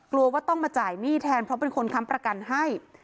ว่าต้องมาจ่ายหนี้แทนเพราะเป็นคนค้ำประกันให้